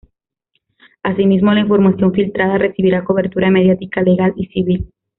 Asimismo, la información filtrada recibirá cobertura mediática, legal y civil.